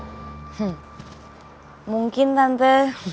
hmm mungkin tante